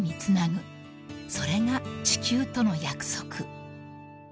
［それが地球との約束］